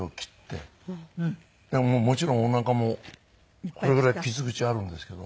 もちろんおなかもこれぐらい傷口あるんですけど。